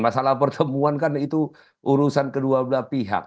masalah pertemuan kan itu urusan kedua belah pihak